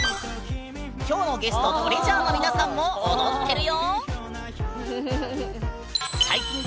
きょうのゲストＴＲＥＡＳＵＲＥの皆さんも踊ってるよ！